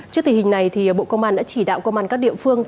trước tình hình này bộ công an đã chỉ đạo công an các địa phương